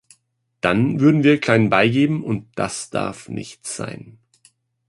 Dann würden wir klein beigeben, und das darf nicht sein.